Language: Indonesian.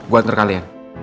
gue antar kalian